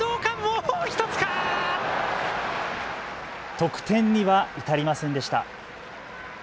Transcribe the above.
得点には至りませんでした。